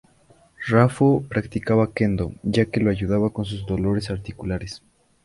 Raffo practicaba Kendo ya que lo ayudaba con sus dolores articulares.